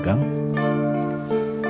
gak putus tuh